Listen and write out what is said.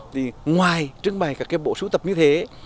thì ngoài trưng bày các cái bộ sưu tập như thế